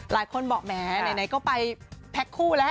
หลายคนบอกแหมไหนก็ไปแพ็คคู่แล้ว